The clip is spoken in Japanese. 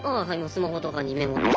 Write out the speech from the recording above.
スマホとかにメモとか。